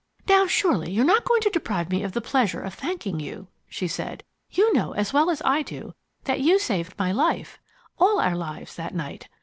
"Now surely you're not going to deprive me of the pleasure of thanking you," she said. "You know as well as I do that you saved my life all our lives, that night.